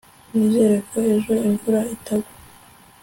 nizere ko ejo imvura itagwa